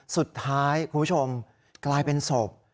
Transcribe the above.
สุดท้ายคุณผู้ชมกลายเป็นศพ